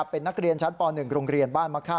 เป็นนักเรียนชั้นป๑โรงเรียนบ้านมะค่า